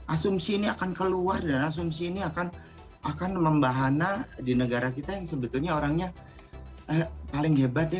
asumsi ini akan keluar dan asumsi ini akan membahana di negara kita yang sebetulnya orangnya paling hebat ya